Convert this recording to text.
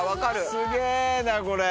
すげぇなこれ！